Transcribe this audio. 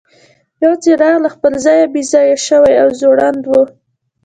یو څراغ له خپل ځایه بې ځایه شوی او ځوړند و.